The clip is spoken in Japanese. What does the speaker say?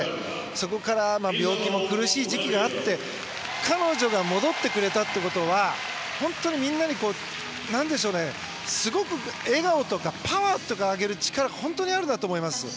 そこから病気も苦しい時期があって彼女が戻ってくれたってことは本当にみんなにすごく笑顔とかパワーとかあげる力が本当にあるなと思います。